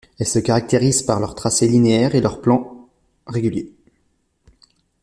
Elles se caractérisent par leur tracé linéaire et leur plan régulier.